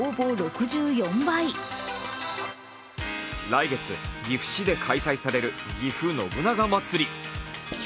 来月岐阜市で開催されるぎふ信長まつり。